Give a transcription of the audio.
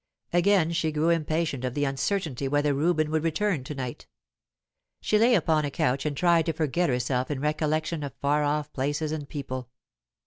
Again she grew impatient of the uncertainty whether Reuben would return to night. She lay upon a couch and tried to forget herself in recollection of far off places and people.